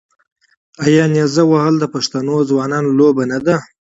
آیا نیزه وهل د پښتنو ځوانانو لوبه نه ده؟